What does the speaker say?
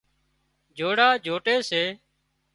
جوڙا جوٽي سي